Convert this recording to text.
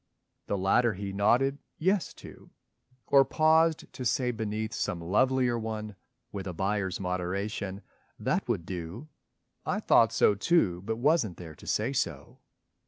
The latter he nodded "Yes" to, Or paused to say beneath some lovelier one, With a buyer's moderation, "That would do." I thought so too, but wasn't there to say so.